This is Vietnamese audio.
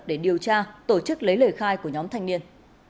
để điều tra tổ chức lấy lời khai của nhóm thanh niên